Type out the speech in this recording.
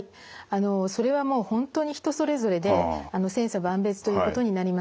あのそれはもう本当に人それぞれで千差万別ということになります。